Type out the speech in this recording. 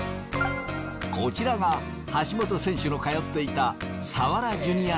こちらが橋本選手の通っていた。